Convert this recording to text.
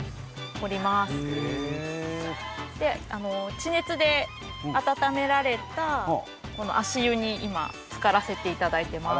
地熱で温められたこの足湯に今つからせていただいてます。